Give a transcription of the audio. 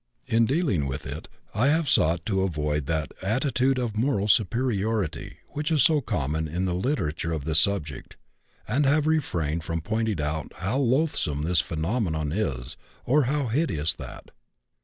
In dealing with it I have sought to avoid that attitude of moral superiority which is so common in the literature of this subject, and have refrained from pointing out how loathsome this phenomenon is, or how hideous that.